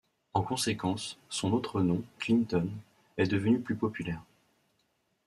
En conséquence, son autre nom, Clinton, est devenu plus populaire.